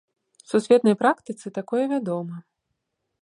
Сусветнай практыцы такое вядома.